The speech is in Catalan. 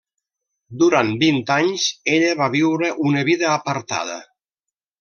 Durant vint anys ella va viure una vida apartada.